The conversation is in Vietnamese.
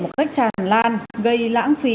một cách tràn lan gây lãng phí